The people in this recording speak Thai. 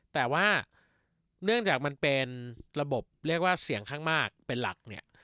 แต่ว่าเนื่องจากมันเป็นระบบเรียกว่าเสียงข้างมากเป็นหลักเนี่ย